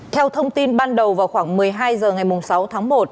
theo thông tin ban đầu vào khoảng một mươi hai h ngày sáu tháng một